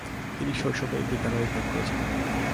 তিনি শৈশবেই বিদ্যালয় ত্যাগ করেছিলেন।